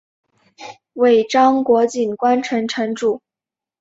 尾张国井关城城主。